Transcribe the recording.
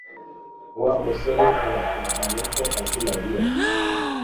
Wa musore ntiyakubwiye ko azi Mariya